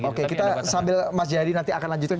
oke kita sambil mas jayadi nanti akan lanjutkan